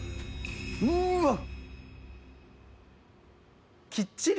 うわっ！